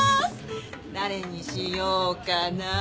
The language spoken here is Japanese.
誰にしようかな。